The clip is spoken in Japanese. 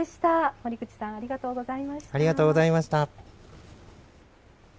森口さんありがとうございました。